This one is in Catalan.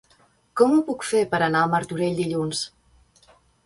Com ho puc fer per anar a Martorell dilluns?